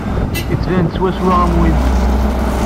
Yettban-d swaswa am win-iw.